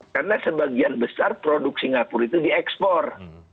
karena sebagian besar produk singapura itu diekspor